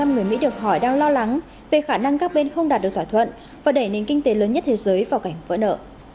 ba mươi người mỹ được hỏi đang lo lắng về khả năng các bên không đạt được thỏa thuận và đẩy nền kinh tế lớn nhất thế giới vào cảnh vỡ nợ